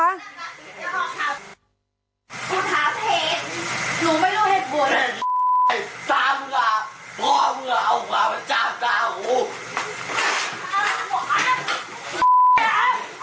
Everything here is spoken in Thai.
ไม่เคยเขาหลอกใครเลย